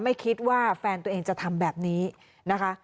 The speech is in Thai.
ไม่คิดว่าแฟนตัวเองจะทำแบบนี้นะคะ